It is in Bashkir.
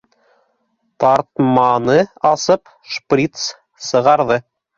Тартманы асып, шприц сығарҙы.